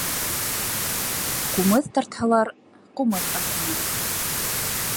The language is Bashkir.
Ҡумыҙ тартһалар, ҡумыҙ артынан.